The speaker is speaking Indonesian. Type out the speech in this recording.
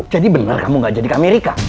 jadi benar kamu gak jadi ke amerika